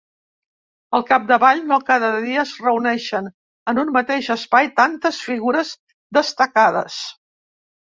Al capdavall, no cada dia es reuneixen en un mateix espai tantes figures destacades.